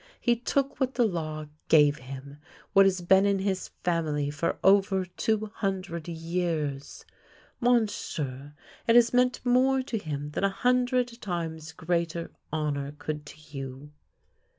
He took what the law gave him, what has been in his family for over two hundred years. Monsieur, it has meant more to him than a hundred times greater hon our could to you.